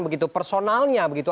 begitu personalnya begitu